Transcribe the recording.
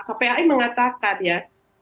kpai mengatakan ya